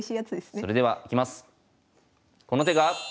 それではいきます。